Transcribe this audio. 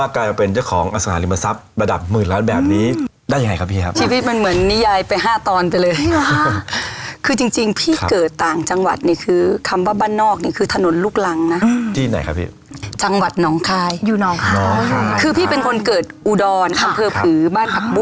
กลายเป็นเจ้าของอสโถหาริมทรัพย์ระดับหมื่นล้านแบบนี้ได้ยังไงครับพี่ครับ